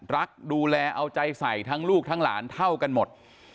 รักดูแลเอาใจใส่ทั้งลูกทั้งหลานเท่ากันหมด